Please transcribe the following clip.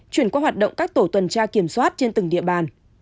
chuyển qua hoạt động các tổ tuần tra kiểm soát trên từng địa bàn